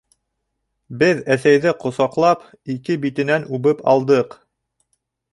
Беҙ әсәйҙе ҡосаҡлап, ике битенән үбеп алдыҡ.